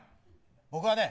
僕はね